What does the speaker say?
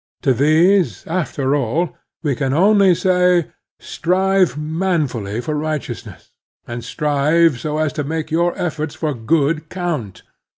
To these, after all, we can only say: Strive manfully for righteousness, and strive so as to make your efforts for good count.